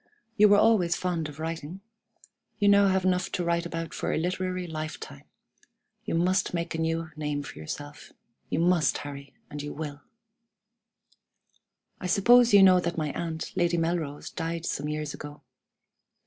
You were always fond of writing. You have now enough to write about for a literary lifetime. You must make a new name for yourself. You must Harry, and you will! "I suppose you know that my aunt, Lady Melrose, died some years ago?